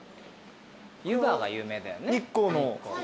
ゆばが有名だよね。